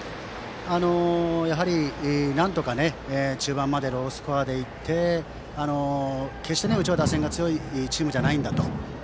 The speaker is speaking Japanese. やはり、なんとか中盤までロースコアで行って決してうちは打線が強いチームじゃないんだと。